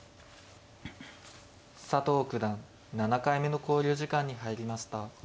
佐藤九段７回目の考慮時間に入りました。